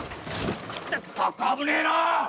ったく危ねえな！